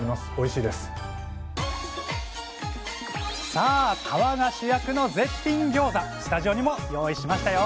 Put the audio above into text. さあ皮が主役の絶品ギョーザスタジオにも用意しましたよ！